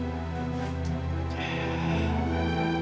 ya pak adrian